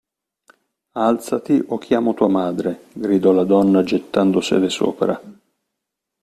Alzati o chiamo tua madre, – gridò la donna, gettandosele sopra.